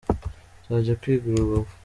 nzajya kwiga i rubavu